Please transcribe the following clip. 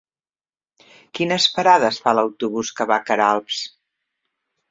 Quines parades fa l'autobús que va a Queralbs?